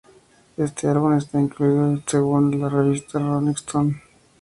Este álbum está incluido en según la revista Rolling Stone.